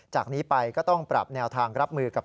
จากนี้ไปก็ต้องปรับแนวทางรับมือกับ